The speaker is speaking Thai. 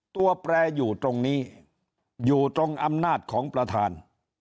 แปรอยู่ตรงนี้อยู่ตรงอำนาจของประธาน